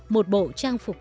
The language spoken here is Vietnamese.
một bộ trang phục